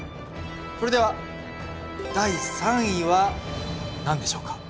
それでは第３位は何でしょうか？